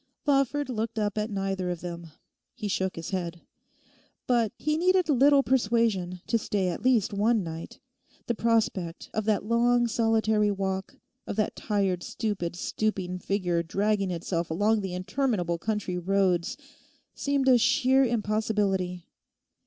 Lawford looked up at neither of them. He shook his head. But he needed little persuasion to stay at least one night. The prospect of that long solitary walk, of that tired stupid stooping figure dragging itself along the interminable country roads seemed a sheer impossibility.